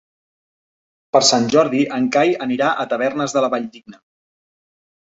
Per Sant Jordi en Cai anirà a Tavernes de la Valldigna.